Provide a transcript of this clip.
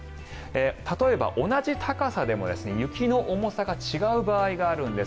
例えば同じ高さでも雪の重さが違う場合があるんです。